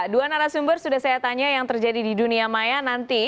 dua narasumber sudah saya tanya yang terjadi di dunia maya nanti